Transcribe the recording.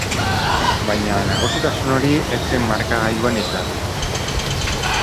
Baina nagusitasun hori ez zen markagailuan islatu.